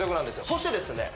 そしてですね